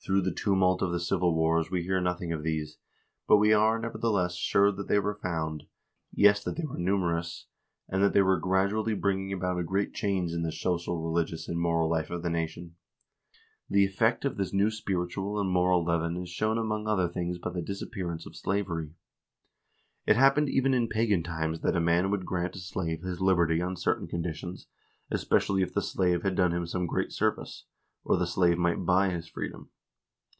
Through the tumult of the civil wars we hear nothing of these, but we are, nevertheless, sure that they were found, yes, that they were numerous, and that they were gradually bringing about a great change in the social, religious, and moral life of the nation. The effect of this new spiritual and moral leaven is shown among other things by the disappearance of slavery. It happened even in pagan times that a man would grant a slave his liberty on certain conditions, especially if the slave had done him some great service ; or the slave might buy his freedom.